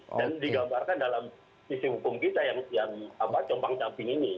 dan digambarkan dalam sisi hukum kita yang compang camping ini